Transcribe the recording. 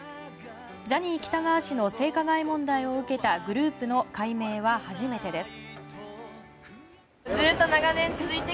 ジャニー喜多川氏の性加害問題を受けたグループの改名は初めてです。